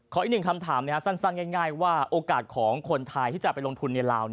อีกหนึ่งคำถามสั้นง่ายว่าโอกาสของคนไทยที่จะไปลงทุนในลาว